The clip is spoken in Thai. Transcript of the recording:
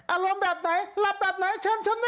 อารมณ์แบบไหนหลับแบบไหนเชิญชนได้เลยครับ